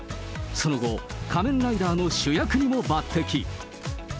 その後、仮面ライダーの主役にも抜てき。